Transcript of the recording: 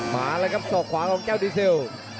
มาแล้วครับศอกขวาของเจ้าดีเซล